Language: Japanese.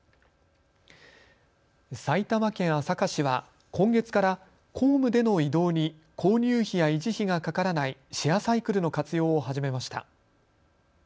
埼玉県朝霞市は今月から、公務での移動に購入費や維持費がかからないシェアサイクルの活用を始めました。